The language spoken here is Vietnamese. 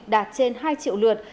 đạt trên hai triệu lượt